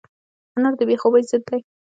انار د بې خوبۍ ضد دی.